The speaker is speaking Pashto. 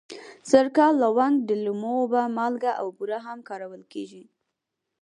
سرکه، لونګ، د لیمو اوبه، مالګه او بوره هم کارول کېږي.